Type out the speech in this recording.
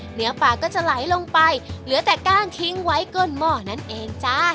เหนือป่าก็จะไหลลงไปเหลือแต่กล้างทิ้งไว้ก้นหม้อนั่นเองจ้า